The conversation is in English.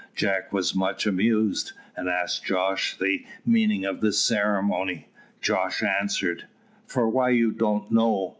Jack was much amused, and asked Jos the meaning of the ceremony. Jos answered "For why you don't know?